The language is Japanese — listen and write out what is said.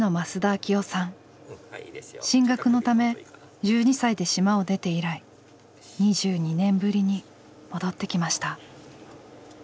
進学のため１２歳で島を出て以来２２年ぶりに戻ってきました。